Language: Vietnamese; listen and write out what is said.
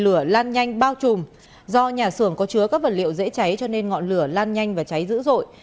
lửa lan nhanh bao trùm do nhà xưởng có chứa các vật liệu dễ cháy cho nên ngọn lửa lan nhanh và cháy dữ dội